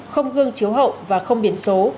không gương chiếu hậu và không biển số